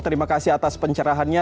terima kasih atas pencerahannya